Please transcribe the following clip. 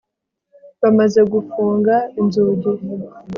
bamaze gufunga inzugi